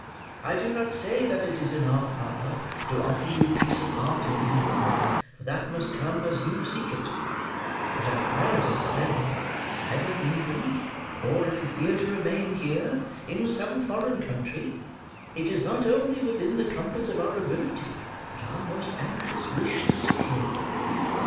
I do not say that it is in our power to offer you peace of heart and mind, for that must come as you seek it; but a quiet asylum, either in England, or, if you fear to remain here, in some foreign country, it is not only within the compass of our ability but our most anxious wish to secure you.